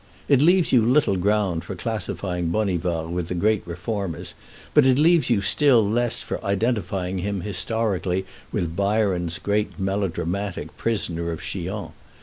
It leaves you little ground for classifying Bonivard with the great reformers, but it leaves you still less for identifying him historically with Byron's great melodramatic Prisoner of Chillon.